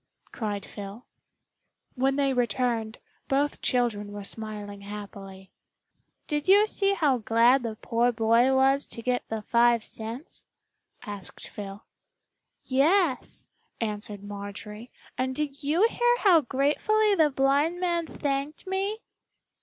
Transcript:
cried Phil. When they returned both children were smiling happily. "Did you see how glad the poor boy was to get the five cents?" asked Phil. "Yes," answered Marjorie, "and did you hear how gratefully the blind man thanked me?"